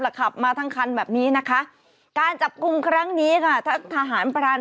ขับมาทั้งคันแบบนี้นะคะการจับกลุ่มครั้งนี้ค่ะทหารพราน